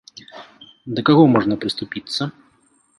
Да каго можна прыступіцца?